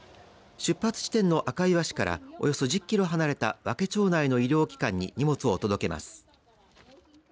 出発地点の赤磐市からおよそ１０キロ離れた和気町内の医療機関に荷物を届けます。